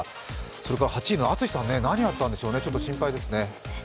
それから８位のＡＴＳＵＳＨＩさんね、何があったんですかね、ちょっと心配ですね。